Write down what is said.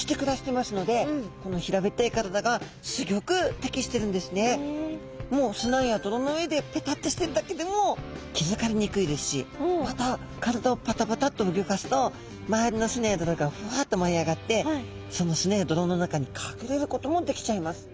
はいカレイちゃんの仲間というのはふだんもう砂や泥の上でペタっとしてるだけでも気付かれにくいですしまた体をパタパタッと動かすと周りの砂や泥がフワッと舞い上がってその砂や泥の中に隠れることもできちゃいます。